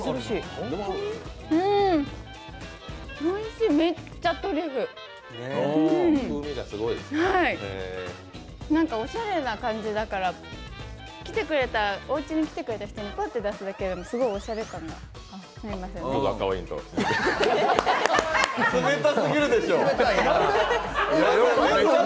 おいしい、めっちゃトリュフおしゃれな感じだからおうちに来てくれた人にパッと出すだけでもすごいおしゃれ感が出ますよね。